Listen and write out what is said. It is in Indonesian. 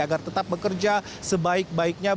agar tetap bekerja sebaik baiknya